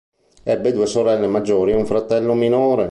Ebbe due sorelle maggiori e un fratello minore.